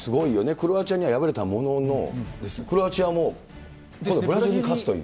クロアチアには敗れたものの、クロアチアもブラジルに勝つという。